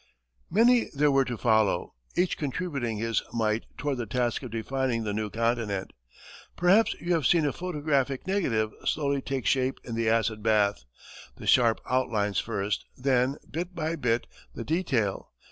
Many there were to follow, each contributing his mite toward the task of defining the new continent. Perhaps you have seen a photographic negative slowly take shape in the acid bath the sharp out lines first, then, bit by bit, the detail.